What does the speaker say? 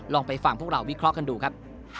ลองไปฟังพวกเราวิเคราะห์กันดูครับ